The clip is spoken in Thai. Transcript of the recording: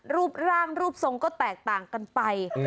รูปร่างรูปทรงก็แตกต่างกันไป